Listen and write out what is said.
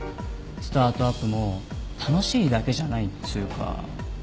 スタートアップも楽しいだけじゃないっつうか。